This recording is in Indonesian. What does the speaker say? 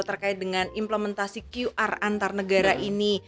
terkait dengan implementasi qr antar negara ini